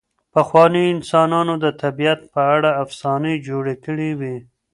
پخوانیو انسانانو د طبیعت په اړه افسانې جوړې کړې وې.